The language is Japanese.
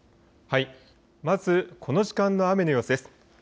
まずこの時間の雨の様子です。